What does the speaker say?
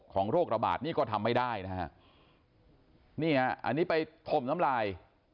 โรคระบาดนี่ก็ทำไม่ได้นะฮะนี่ฮะอันนี้ไปถมน้ำลาย